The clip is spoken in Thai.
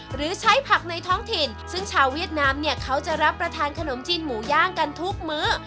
หรือใช้ผักในท้องถิ่นซึ่งชาวเวียดนามเนี่ยเขาจะรับประทานขนมจีนหมูย่างกันทุกมื้อ